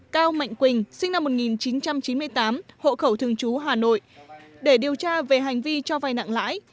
cao mạnh quỳnh sinh năm một nghìn chín trăm chín mươi tám hộ khẩu thương chú hà nội để điều tra về hành vi cho vai nặng lãi